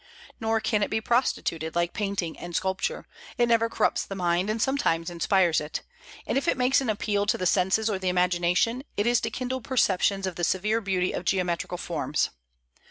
Nor can it be prostituted, like painting and sculpture; it never corrupts the mind, and sometimes inspires it; and if it makes an appeal to the senses or the imagination, it is to kindle perceptions of the severe beauty of geometrical forms.